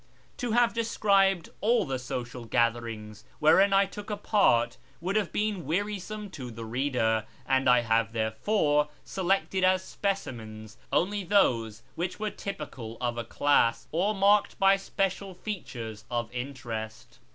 To have described all the social gatherings wherein I took a part would have been wearisome to the reader, and I have therefore selected as specimens only those which were typical of a class, or marked by special features of interest.